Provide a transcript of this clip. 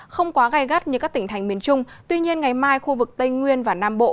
không quá gai gắt như các tỉnh thành miền trung tuy nhiên ngày mai khu vực tây nguyên và nam bộ